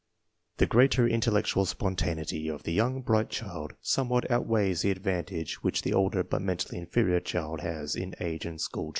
The greater intellectual spontaneity of the young bright child somewhat outweighs the advantage which the older but mentally inferior child has in age and school training.